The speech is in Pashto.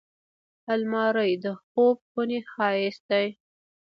الماري د خوب خونې ښايست دی